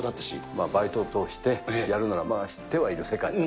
まあバイトとしてやるなら、知ってはいる世界。